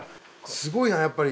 すごいなやっぱり。